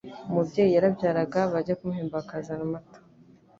Umubyeyi yarabyaraga, bajya kumuhemba bakazana amata.